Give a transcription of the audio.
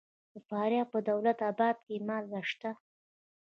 د فاریاب په دولت اباد کې مالګه شته.